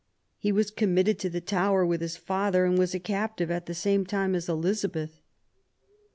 He was committed to the Tower with his father, and was a captive at the same time as Elizabeth.